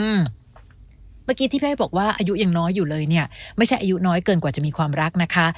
เมื่อกี้ที่พี่บอกว่าอายุยังน้อยอยู่เลยเนี่ยไม่ใช่อายุน้อยเกินกว่าจะมีความรักนะคะ